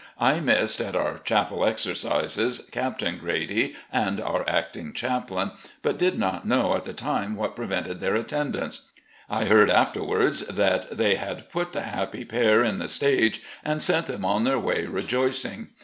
I missed, at our chapel exercises, Captain Grady and our acting chaplain, but did not know at the time what prevented their attendance. I heard after wards that they had put the happy pair in the stage and sent them on their way rejoicing.